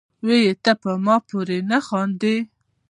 وې ئې " تۀ پۀ ما پورې نۀ خاندې،